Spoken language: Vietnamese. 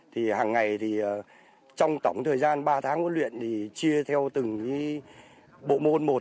thì hàng ngày thì trong tổng thời gian ba tháng huấn luyện thì chia theo từng bộ môn một